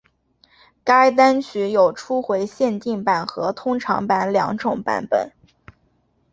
该单曲有初回限定版和通常版两种版本。